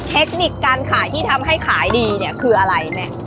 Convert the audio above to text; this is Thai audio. เทคนิคการขายที่ทำให้ขายดีเนี่ยคืออะไรเนี่ย